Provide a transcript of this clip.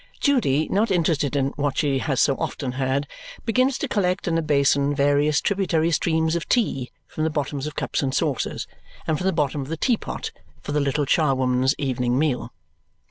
Judy, not interested in what she has often heard, begins to collect in a basin various tributary streams of tea, from the bottoms of cups and saucers and from the bottom of the tea pot for the little charwoman's evening meal.